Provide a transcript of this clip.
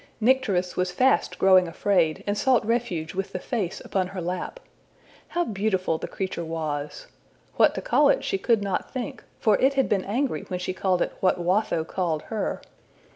Nycteris was fast growing afraid, and sought refuge with the face upon her lap. How beautiful the creature was! what to call it she could not think, for it had been angry when she called it what Watho called her.